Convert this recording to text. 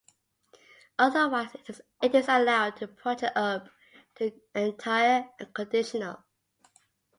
Otherwise, it is allowed to project up to the entire conditional.